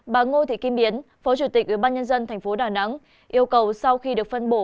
bà ngô thị kim biến phó chủ tịch ủy ban nhân dân tp đà nẵng yêu cầu sau khi được phân bổ